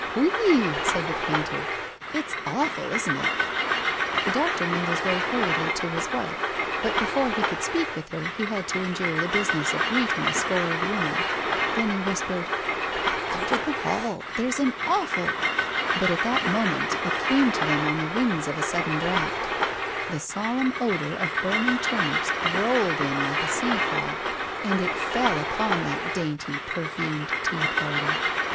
"Whee!" said the painter. "It's awful, isn't it?" The doctor made his way hurriedly to his wife, but before he could speak with her he had to endure the business of greeting a score of women. Then he whispered, "Out in the hall there's an awful " [Illustration: "THE SOLEMN ODOR OF BURNING TURNIPS ROLLED IN LIKE A SEA FOG"] But at that moment it came to them on the wings of a sudden draught. The solemn odor of burning turnips rolled in like a sea fog, and fell upon that dainty, perfumed tea party.